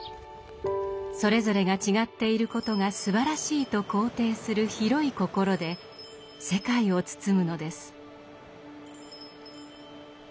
それぞれが違っていることがすばらしいと肯定する広い心で世界を包むのです。